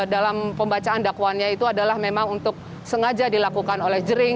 dalam pembacaan dakwaannya itu adalah memang untuk sengaja dilakukan oleh jering